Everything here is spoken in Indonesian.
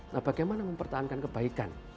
nah bagaimana mempertahankan kebaikan